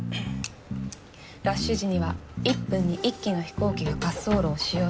ラッシュ時には１分に１機の飛行機が滑走路を使用します。